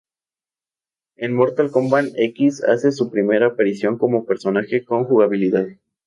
En Mortal Kombat X hace su primera aparición como personaje con jugabilidad.